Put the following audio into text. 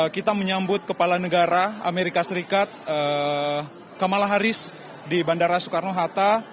kita menyambut kepala negara amerika serikat kamala harris di bandara soekarno hatta